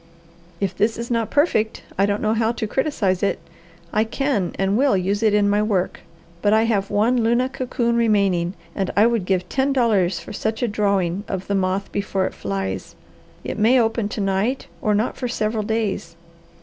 "If this is not perfect, I don't know how to criticise it. I can and will use it in my work. But I have one luna cocoon remaining and I would give ten dollars for such a drawing of the moth before it flies. It may open to night or not for several days.